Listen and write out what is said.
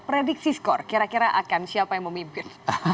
prediksi skor kira kira akan siapa yang memimpin